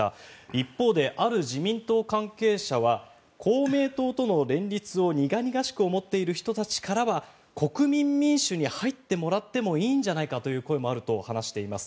一方で、ある自民党関係者は公明党との連立を苦々しく思っている人たちからは国民民主に入ってもらってもいいんじゃないかという声もあると話しています。